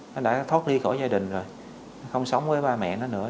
nó đã thoát đi khỏi gia đình rồi không sống với ba mẹ nó nữa